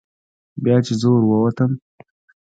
بیا چې زه ور ووتم.